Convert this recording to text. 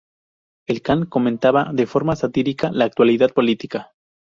El can comentaba de forma satírica la actualidad política.